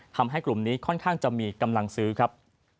ทำให้กลุ่มนี้ค่อนข้างจะมีกำลังซื้อครับ